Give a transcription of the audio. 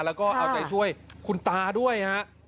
แล้วก็เอาใจช่วยคุณตาด้วยฮะ